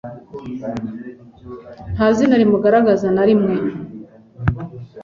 nta zina rimugaragaza na rimwe